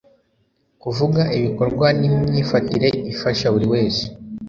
kuvuga ibikorwa n'imyifatire ifasha buri wese